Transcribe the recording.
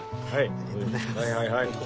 ありがとうございます。